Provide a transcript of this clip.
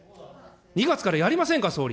２月からやりませんか、総理。